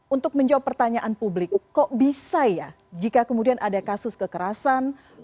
untuk menjawab pertanyaan publik kok bisa ya jika kemudian ada kasus kekerasan